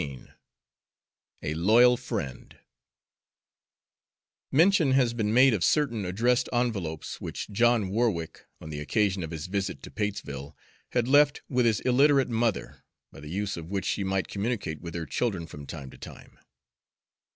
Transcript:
XIV A LOYAL FRIEND Mention has been made of certain addressed envelopes which John Warwick, on the occasion of his visit to Patesville, had left with his illiterate mother, by the use of which she might communicate with her children from time to time.